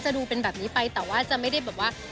ดูเป็นแบบนี้ไปแต่ว่าจะไม่ได้แบบว่า